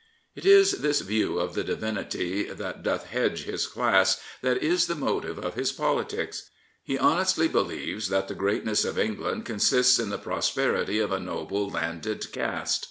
It is this view of the divinity that doth hedge his class that is the motive of his politics. He honestly believes that the greatness of England consists in the prosperity of a noble, landed caste.